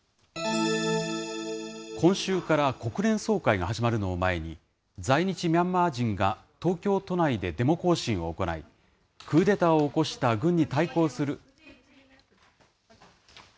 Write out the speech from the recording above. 今週から国連総会が始まるのを前に、在日ミャンマー人が東京都内でデモ行進を行い、クーデターを起こした軍に対抗する。